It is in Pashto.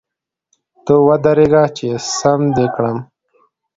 ته ودرېږه چي ! سم دي کړم .